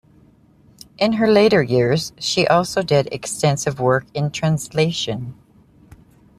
In her later years, she also did extensive work in translation.